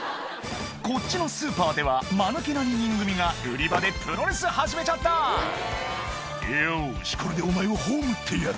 こっちのスーパーではマヌケな２人組が売り場でプロレス始めちゃった「よしこれでお前を葬ってやる」